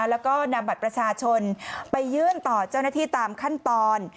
แล้วก็นำบัตรประชาชนไปยื่นต่อเจ้าหน้าที่ตามขั้นตอน